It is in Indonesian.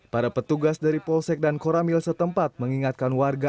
para petugas dari polsek dan koramil setempat mengingatkan warga